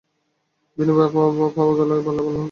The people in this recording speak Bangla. বিনু ভয় পাওয়া গলায় বলল, কে?